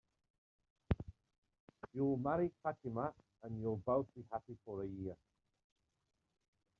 You'll marry Fatima, and you'll both be happy for a year.